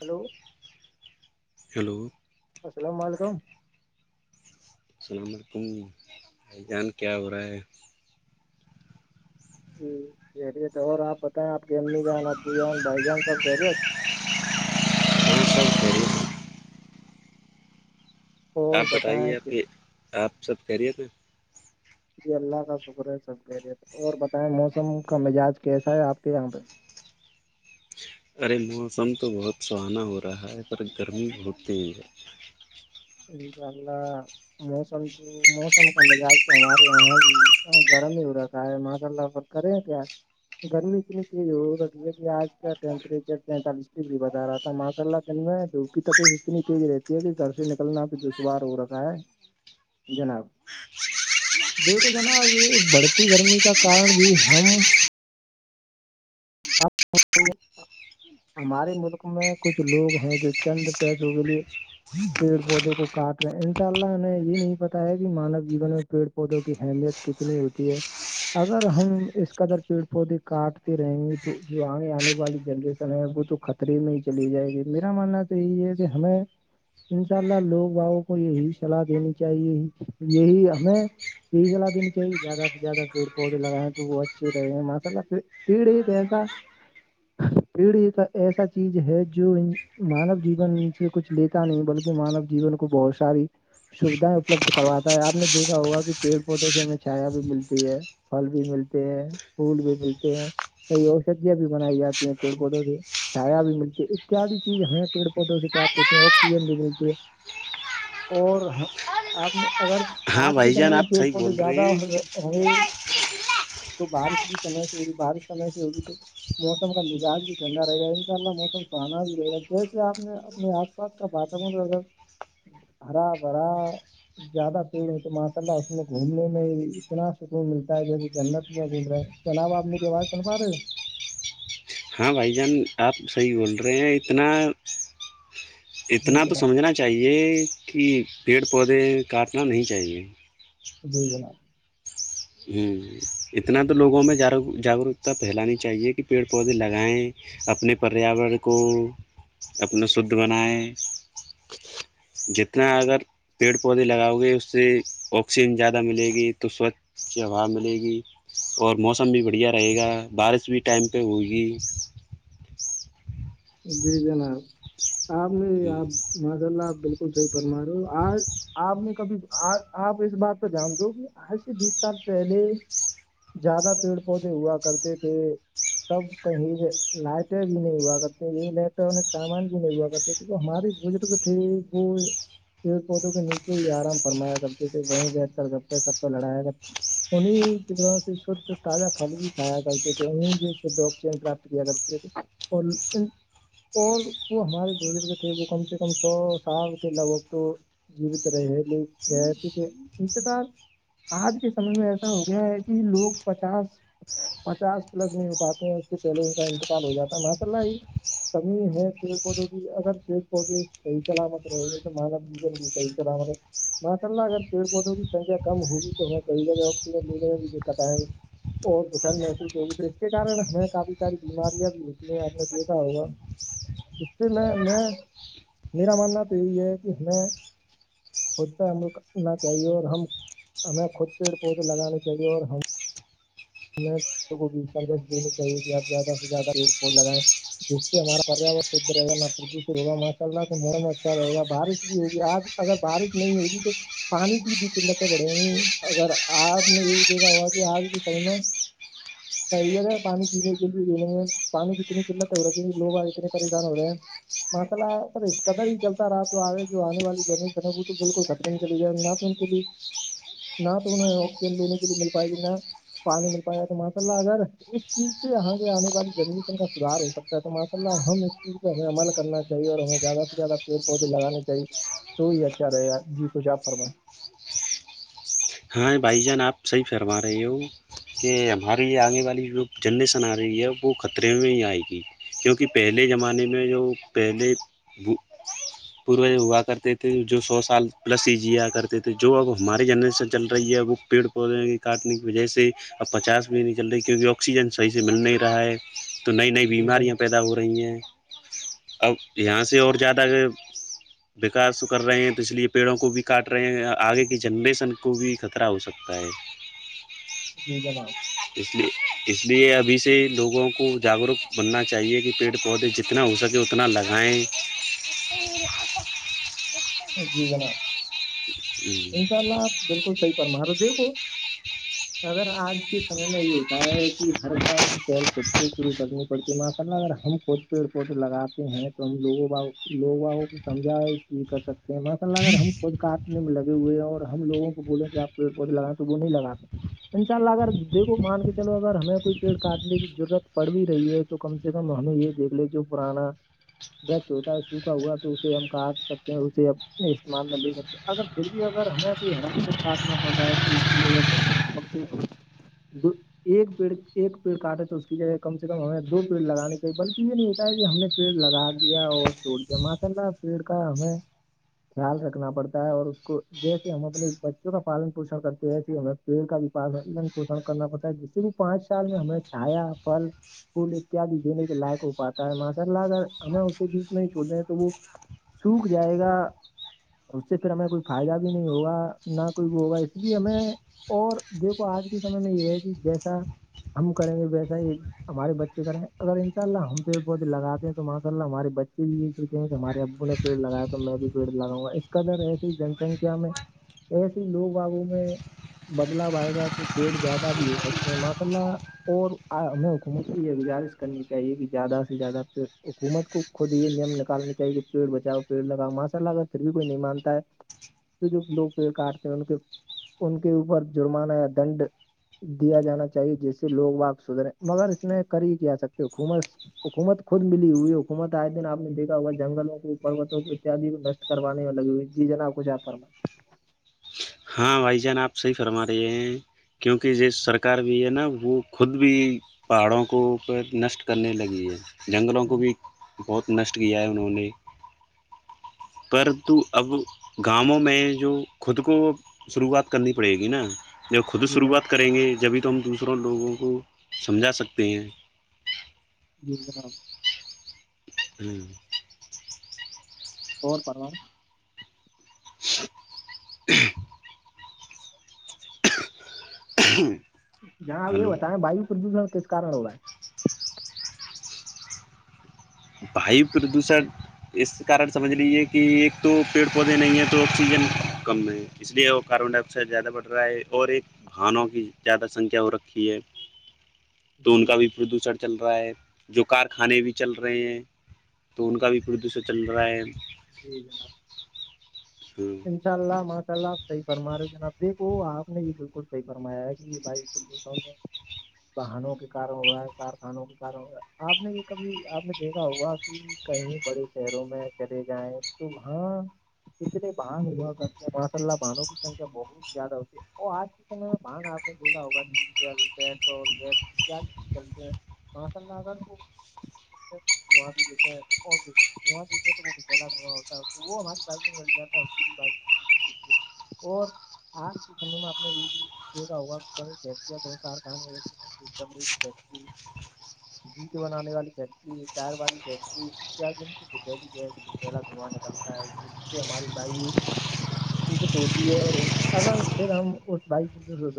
hello hello السلام علیکم السلام علیکم بھائی جان کیا ہو رہا ہے ج کہہ رہیے تھ تو اور آپ بتائیں آپ کے امی جان ابو جان بھائی جان سب کہہ رہیے ہاں سب خیریت آپ اور بتائیں بتائیے آ کہ آپ سب کہریے جی اللہ کا شکر ہے سبریت اور بتائیں موسم کا مزاج کیسا ہے آپ کے یہاں پہ ارے موسم تو بہت سہانا ہو رہا ہے پر گرمی ہوتی ہی ہے انشاء اللہ موسم کی تو موسم کا مزاج تو ہمارے یہاں بھی گرم ہی ا رکھا ہے ماشاء اللہ کرے کیا گرمی کتنی تیز ہوگا یہ ہے کہ آج کا ٹیمپریچر پینتالیس ڈگری بتا رہا تھا ماشء اللہ کر ہے جو کی طبیعت اتنی تیز رہتی ہے کہ گھر نکلنا پ دشوار ہو رہکھا ہے جناب دیکھو جناب یہ بڑھتی گرمی کا کارن بھی ہم ہاں ہمارے ملک میں کچھ لوگ ہیں جو چند پیسوں کے لیے پیڑ پودوں کو کاٹ رہے ہیں ان شاء اللہ نے یہ نہیں پتا ہے کہ مانو جیون میں پیڑ پودوں کی اہمیت کتنی ہوتی ہے اگر ہم اس کادر پیڑ پودے کاٹتے رہیں گی تو جو آگ آنے والی جنریشن ہے وہ تو خطرے میں ہی چلی جائے گی میرا ماننا تھا تو یہ یہ کہ ہے نا ان شاء اللہ لوگ بؤوں کو یہی سلاح دینی چاہیے یہی ہمیں پجلا دن چاہیے زیادہ سے زیادہ پیڑ پودے لگائیں تو وہ اچھے رہے گ ہیں ماشء اللہ پھر پیڑ ایک ایسا پیڑ ایک ایسا چیز ہے جو ان مانو جیون سے کچھ لیتا نہیں بلکہ مانو جیون کو بہت ساری سویدھائیں اپلبد کرواتا ہے آپ نے دیکھا ہوگا پیڑ پودوں سے ہمیں چھایا بھی ملتی ہے پھل بھی ملتے ہیں پھول بھی ملتے ہیں کئی اوشدیاں بھی بنائی جاتی ہیں پیڑ پودوں سے چھایا بھی ملتی ہے اتیاد چیز ہیں پیڑ پودوں سے پراپت ہوتے ہیں آکسیجن بھی ملتی ہے اور آپ نے اگر ہاں آج کے بھائی سمے جان میں آپ پیڑ صحیح پودے بول رہے زیادہ ہیں ہم تو بارش بھی سم سے ہوگی بارش سمے سے ہوگی تو موسم کا مزاج بھی ٹھنڈا رہے گا ان شاء اللہ موسم سرانا بھی رہے گا جیسے آپ نے اپنے آپ آس پاس کا واتور اگر ہرا بھرا زیادہ پیڑ ہو تو ماشاء اللہ اس میں گھومنے میں ہی اتنا سکون ملتا ہے جیسے جنت میں گھوم رہے ہیں چلا ب آپمیی واز سنفا رہے ہے ہاں بھائی جان آپ صحیح بول رہے ہیں اتنا جی اتنا تو جناب سمجھنا چاہیے کہ پیڑ پودے کاٹنا نہیں چاہیے بی جنا [unintelligible] ہ اتنا تو لوگوں میں جا جاگروکتا پھیلانی چاہیے کہ پیڑ پودے لگائیں اپنے پریاور کو اپنا شھ بنائے جتنا اگر پیڑ پودے لگاؤ گے اس سے آکسیجن زیادہ ملے گی تو سوچھ اچھی ہوا ملے گی اور موسم بھی بڑھیا رہے گا بارش بھی ٹائم پہ ہوئےگی جی جناب آپ نے آپ ماشاء اللہ آپ بالکل صحیح فرما رہے ہو آج آپ نے کبھی آپ اس بات پہ جان دو کہ آج سے بیس سال پہلے زیادہ پیڑ پودے ہوا کرتے تھے تب کہیں لائٹیں بھی نہیں ہوا [unintelligible] الیکٹرانک سامان بھی نہیں ہوا کرتے ہمارے بزرگ تھے وہ پیڑ پودوں کے نیچے ہی آرام فرمایا کرتے تھے وہیں بیٹھ کر گ پے سب کوہ لڑایا کرتے انیں ج شھ تازا فل بھی کھایا کرتے تھ انیں ج شھ آکسیجن پراپت کیا کرتے اور [unintelligible] اور وہ ہمارے بزرگ تھے وہ کم سے کم سو سال کے لگ بگ تو جیت رہے ل رہ کہ انتبار آج کے سمے میں ایسا ہو گیا ہے کہ لوگ پچاس پچاس پلس نہیں ہو پاتے ہیں اس سے پہلے ان کا انتقال ہو جاتا ہے ماشا اللہ کمی ہے پیڑ پودوں کی اگر پیڑ پودے صحیح سلامت رہے جیسے مو ج صحیح سلامت ہے ماشاء اللہ اگر پیڑ پودوں کینکھیا کم ہوگی تو ہمیں کئی جگہ آکسیجن لینے بھی دقت آئے اور بشن محسوس ہوگی پھر اس کےارن ہم کافی ساری بیماریاں بھی نک ہیں فا ہوگا اس سے میں میں میرا ماننا تو یہی ہے کہ ہمیں خود سے عمل کرنا چاہیے اور ہم ہمیں خود پیڑ پودے لگانے چاہیے اور ہم کو بھی سنجش دینی چاہیے کہ آپ زیادہ سے زیادہ ریٹ ف لگائیں جس سے ہمارا پریاور شھ رہ گا نہ پردوشت ہوگا ماشاء اللہ موسم اچھا رہےا بارش بھی ہوگی آج اگر بارش نہیں ہوگی تو پانی کی بھی قلتیں بڑیں گی اگر آپ نے یہی دیکھا ہوا کہ آج کے س میں صحی ج ہے پانی پینے کے لیے لینے ہے پانی کتنے قت ہو رہ ہے کیکہ لو آج اتنے پریشان ہو رہے ہیں ماسا سر اس قدر ہی چلتا رہا تو آے جو آنے والی جنریشن ہے وہ تو بالکل ختر نہیں چلی گیاپ کے لیے نہ تو انہیں آکسیجن لینے کے لیے مل پائے گی نہ پانی مل پائے گا تو ماشاء اللہ اگر اس چیز سے یہاں کے آنے والی زمین کا سھار ہو سکتا ہے تو ماشا اللہ ہم اس چیز پہ ہمیں عمل کرنا چاہیے اور ہمیں زیادہ سے زیادہ پیڑ پودے لگانےاہے تو ہی اچھا رہے گا جی کچھ آپ فرمائیں ہاں بھائی جان آپ سحی فرما رہے ہو کہ ہماری آگنے والی جو جنریسن آ رہی ہے وہ خطرے میں ہی آئے گی کیونکہ پہلے زمانے میں جو پہلے پوج ہوا کرتے تھے جو سو سال پلس ہی جیا کرتے تھے جو اب ہمارے جنریشن چل رہی ہے وہ پیڑ پودے کے کاٹنے کی وجہ سے اب پچاس بھی نہیں چل رہی کیونکہ آکسیجن صحیح سے مل نہیں رہا ہے تو نئی نئی جی بیماریاں جناب پیدا ہو رہی ہیں اب یہاں سے اور زیادہ کہ بکار کر رہے ہیں تو اس لیے پیڑوں کو بھی کاٹ رہے ہیں آگے کی جنریشن کو بھی خطرہ ہو سکتا ہے جی جناب [unintelligible] اس لیے اس لیے ابھی سے لوگوں کو جاگروک بننا چاہیے کہ پیڑ پودے جتنے جتنا ہو سکے اتنا لگائیں جی جناب انشاء اللہ آپ بالکل صحیح پرمر دیو ہو [unintelligible] اگر آج کے سمے میں یہ ہوتا ہے کہ ہر کام پہل خود سے شروع کرنی پڑتی ہے ماشاء اللہ اگر ہم خود رپورٹ لگاتے ہیں تو ہم لو لوگ کو سمجھا اس کر سکتے مسا ل اگر ہم خود کاٹنے میں لے ہوئے ہیں اور ہم لوگوں کو بول کہ آپ پیڑ پودے لگائیں تو وہ نہیں لگاتے انشاءلہ اگر دیکھو مان کے چلو اگر ہمیں کوئی پیڑ کاٹنے کی ضرورت پڑ بھی رہی ہے تو کم سے کم ہمیں یہ دیکھ لے جو پرانا برچ ہوتا ہے سوکھا ہوا تو اسے ہم کاٹ سکتے ہیں اسے نہیں استعمال میں لے سکتے اگر پھر بھی اگر ہمیں کوئی ہرا چھٹنا پڑ رہا ہے تو کیا جات کم سے ک د ایک پیڑ ایک پیڑ کاٹے تو اس کی جگہ کم سے کم ہمیں دو پیڑ لگانے چاہیے بلکہ یہ نہیں ہوتا ہے کہ ہم نے پیڑ لگا دیا اور چھوڑ دیا ماشاء اللہ پیڑ کا ہمیں خیال رکھنا پڑتا ہے اور اس کو جیسے ہم اپنے بچوں کا پالن پوشن کرتے ہیں ویسے ہمیں پیڑ کا بھیان پوشن کرنا پڑتا ہے جس سے بھی پانچ سال میں ہمیں چھایا پھل پول اتیاد دینے کے لائق ہو پاتا ہے ماشاء اللہ اگر ہمیں اسے بیچ میں چھڑ رہے ہیں تو وہ سوکھ جائے گا اس سے پھر ہمیں کوئی فائدہ بھی نہیں ہوگا نہ کوئی وہ ہوگا اس لیے ہمیں اور دیکھو آج کے سمے میں یہ ہے کہ جیسا ہم کریں گے ویسا ہی ہمارے بچے کریں اگر انشء اللہ ہم پیڑ پودے لگاتے ہیں تو ماشاء اللہ ہمارے بچے بھی یہی سوچیں ہیں کہ ہمارے ابو نے پیڑ لگایا تو میں بھی پیڑ لگاؤں گا اس کا در ایسے ہی جن سنکھیا میں ایسی لوگ آگو میں بدلاؤ آئے گا تو پیڑ زیادہ بھی ہو سکتے ہیں ماشاء اللہ اور ہمیں حکومت کی یہ گزارش کرنی چاہیے کہ زیادہ سے زیادہ پ حکومت کو خود یہ نیم نکالنے چاہیے کہ پیڑ بچاؤ پیڑ لگاؤ ماشاء اللہ اگر پھر بھی کوئی نہیں مانتا ہے تو جو لوگ پیڑ کاٹتے ہیں ان کے ان کے اوپر جرمانہ یا دنڈ دیا جانا چاہیے جسے لوگ واپ سدھرے مگر اس میں کری کیا آ سکتے خھومس حکومت خود ملی ہوئی حکومت آئے دن آپ نے دیکا ہوا جنگلوں کو پروتوں کو اتدی نشٹ کروانی لگیئی جی ج ناپ کچھ آپر ہاں بھائی جان آپ صحیح فرما رہے ہیں کیونکہ یہ سرکار بھی ہے نا وہ خود بھی پہاڑوں کو اوپ نشٹ کرنے لگی ہے جنگلوں کو جی بھی بہت نشٹ کیا ہے انہوں نے پرت اب گاؤوں میں جو خود کو شروعات کرنی پڑے گی نا جب خود جناب شروعات کریں گے جبھی تو ہم دوسروں لوگوں کو سمجھا سکتے ہیں جی جناب ہوں اور پو [unintelligible] ہوں جہاں آ یہ ہوتا ہے ہمیں ویو پردوشن کےس کرن ہو رہ ہے واو پردوشن اس کارن سمجھ لیجیے کہ ایک تو پیڑ پودے نہیں ہیں تو آکسیجن کم ہے اس لیے وہ کاربن ڈائی آکسائڈ زیادہ بڑھ رہا ہے اور ایک بھانوں کی زیادہ سنکھیا ہو رکھی ہے [unintelligible] تو ان جی کا بھی پردوشن چل رہا ہے جو کارخانے بھی چل رہے ہیں تو ان کا بھی پردوشن چل رہا ہے جی جناب س انشاء اللہ ماشا اللہپ صحیح فرا رہے ہو جناب دیکو آپ نے یہ بالکل صحی فرما ہے کہ یہ بھائی [unintelligible] واہنوں کے کارن ہو رہا ہے کارخانوں کے کارن ہو رہا ہے آپ نے یہ کبھی آپ نے دیکھا ہوا کہ کہیں بڑے شہروں میں چلے جائیں تو وہاں اتنے باہگوا کرتے ہیں ماشا اللہ بانوں کینکھیا بہت زیادہ ہوتی ہے ا آج کے سے میں بان آنے دا ہوگا ڈیزل پیٹرول گیس کیا چلتے ہیں توس اللہگ [unintelligible] دواں بھی دیکھے اور دھواںا دیک تو وہلا دھواںا ہوتا ہے وہ ہماری بائ میں مل جائے ب اور [unintelligible] آج کے سمے میں آپ نے یہ بھی دیکھا ہوگا کہیںیا کہیں کارخانےڑی بری [unintelligible] جتے بنانے والی فیکٹری ٹائر والی فیکٹری اتد سے ک گس کتا ہے ج سے ہماری بیو [unintelligible] اسے توڑ دی ہے اور اگر پھر ہم اس بائک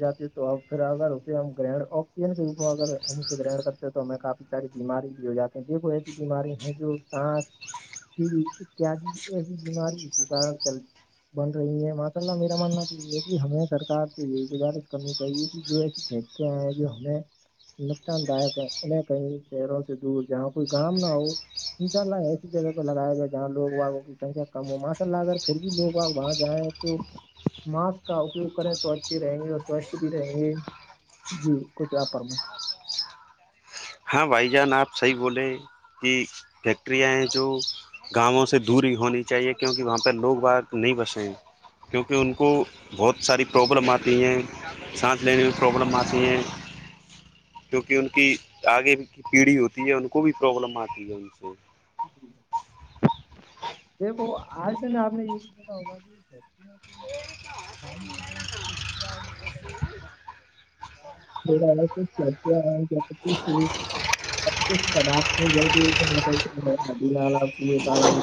جاتے ہو تو اپ پھر اگر اسے ہم گرہن آکسیجن کے روپ میں اگر ہم اسے گرہن کرتے تو ہمیں کافی ساری بیماری بھی ہو جاتی د کو ایسی بیماری ہیں جو سانس پ اتیاد ایسی بیماری چل [unintelligible] بن رہی ہے ماشاء اللہ میرا ماننا تو یہ ہے کہ ہمیں سرار کے لیے گزارش کرنی چاہیے کہ جو ایسی تھے کیا ہے جو ہمیں نقصان داک ہے انہیں کہیں شہروں سے دور جہاں کوئی گم نہ ہو ان شاء اللہ ایسی جگہ پہ لگایا گیا جہاں لوگاگوں کی سکھیا کم ہوا کل اگر پھر بھی لوگ آ وہاں جائیں تو ماسک کا اپیوگ کریں تو اچھے رہیں گے اور سوستھ بھی رہیں گے جی کچھ آپ میں ہاں بھائی جان آپ صحیح بولے کہ فیکٹریاں ہیں جو گاؤںوں سے دوری ہونی چاہیے کیونکہ وہاں پہ لوگ وہ نہیں بسے کیونکہ ان کو بہت ساری پرابلم آتی ہیں سانس لینے میں پرابلم آتی ہیں کیونکہ ان کی آگے کی پیڑھی ہوتی ہے ان کو بھی پرابلم آتی ہے ان سے دیک آج تو میں آپ نے یہ بھی دیکھا ہوگا کہ [unintelligible] تھڑا [unintelligible] سب پدارھ میں جل نکلتےدیال ک تال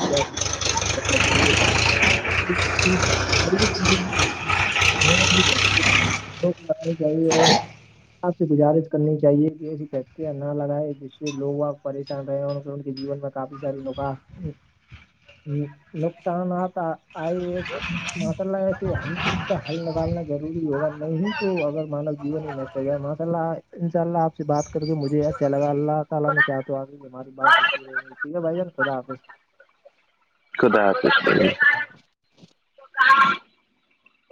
[unintelligible] [unintelligible] کرانی چاہیے اور آپ سے گزارش کرنی چاہیے کہ ایسی فیکٹریاں نہ لگائے جس سے لوگ آپ ان رہے ہیں ان کے جیون میں کافی ساری نگا نقصانات آئی ہے ماشاء اللہ ایسے ہر چیز کا حل نکالنا ضروری ہوگا نہیں تو اگر مانو جین ہی ماشاءاللہ انشاءاللہ اپ سے بات کر کے مجھے اچھا لگا اللہ تعالی نے چاہا تو ہماری بات ہوتی رہے گیٹیک ہے بھائی جان خدا حافظ خدا حافظلہ [unintelligible]